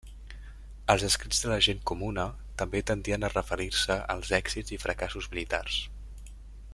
Els escrits de la gent comuna, també tendien a referir-se als èxits i fracassos militars.